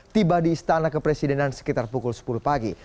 tiba di istana kepresidenan sekitar pukul sepuluh pagi